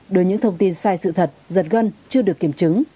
đối với những thông tin sai sự thật giật gân chưa được kiểm chứng